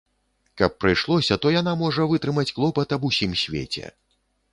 Каб прыйшлося, то яна можа вытрымаць клопат аб усім свеце.